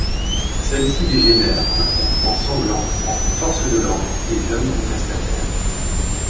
Celle-ci dégènère en affrontement sanglant entre forces de l'ordre et jeunes contestataires.